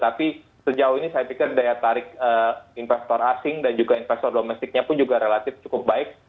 tapi sejauh ini saya pikir daya tarik investor asing dan juga investor domestiknya pun juga relatif cukup baik